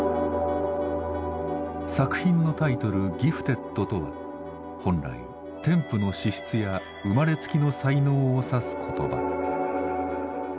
作品のタイトル「ギフテッド」とは本来天賦の資質や生まれつきの才能を指す言葉。